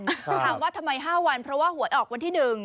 ถามว่าทำไม๕วันเพราะว่าหวยออกวันที่๑